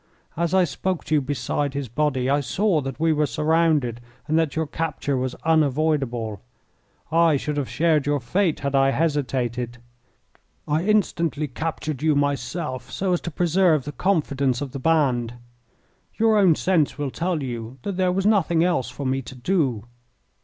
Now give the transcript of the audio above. As I spoke to you beside his body I saw that we were surrounded, and that your capture was unavoidable. I should have shared your fate had I hesitated. I instantly captured you myself, so as to preserve the confidence of the band. Your own sense will tell you that there was nothing else for me to do.